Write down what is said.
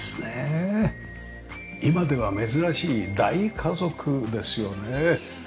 今では珍しい大家族ですよね。